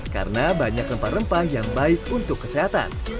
karena banyak rempah rempah yang baik untuk kesehatan